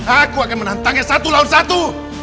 aku akan menantangnya satu lawan satu